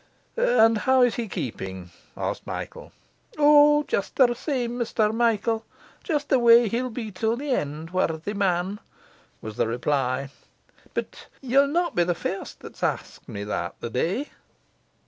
'And how is he keeping?' asked Michael. 'O, just the same, Mr Michael, just the way he'll be till the end, worthy man!' was the reply. 'But ye'll not be the first that's asked me that the day.